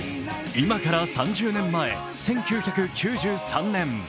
今から３０年前、１９９３年。